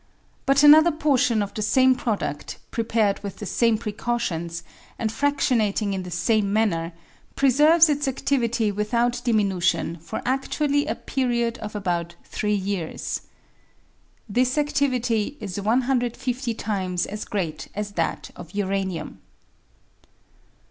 But another portion of the same produd, pre pared with the same precautions, and fradionating in the same manner, preserves its adivity without diminution for adually a period of about three years. This adivity is 150 times as great as that of uranium.